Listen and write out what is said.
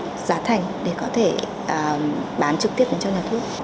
và có một chút giá thành để có thể bán trực tiếp đến cho nhà thuốc